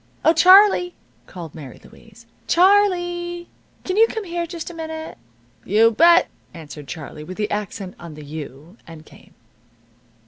"Oh, Charlie!" called Mary Louise. "Charlee! Can you come here just a minute?" "You bet!" answered Charlie, with the accent on the you; and came.